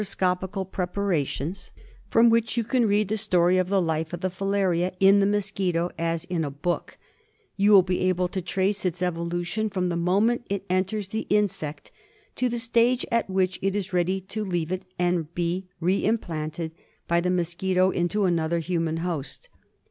scopical preparations from which you can read the story of the life of the hlaria in the mosquito as in a book ; you will be able to trace its evolution firom the moment it enters the insect to the stage at which it is ready to leave it and be re implanted by the mosquito into another human host.